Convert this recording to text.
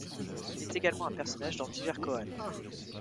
Il est également un personnage dans divers koans.